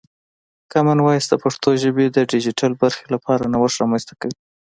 کامن وایس د پښتو ژبې د ډیجیټل برخې لپاره نوښت رامنځته کوي.